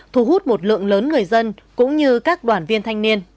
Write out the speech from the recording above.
thu hút một lượng lớn người dân quảng bình